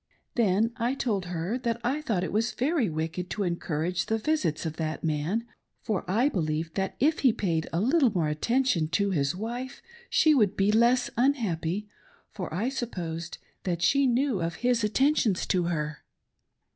Then I told her I thought it was very wicked to encourage the visits of that man, for I believe that if he paid a little more attention to his wife she would be less unhappy — for I sup posed she knew of his attentions to her.